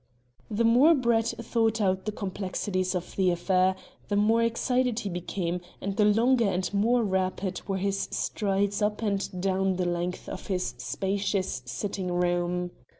The more Brett thought out the complexities of the affair, the more excited he became, and the longer and more rapid were his strides up and down the length of his spacious sitting room.